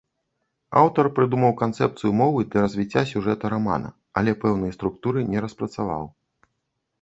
Аўтар прыдумаў канцэпцыю мовы для развіцця сюжэта рамана, але пэўнай структуры не распрацаваў.